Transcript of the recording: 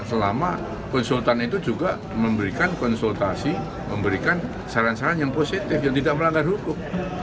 selama konsultan itu juga memberikan konsultasi memberikan saran saran yang positif yang tidak melanggar hukum